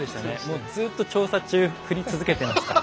もうずっと調査中降り続けてました。